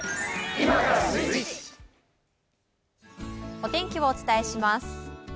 お天気をお伝えします。